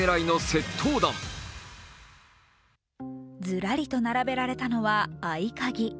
ずらりと並べられたのは合い鍵。